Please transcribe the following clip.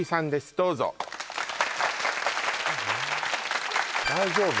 どうぞ大丈夫？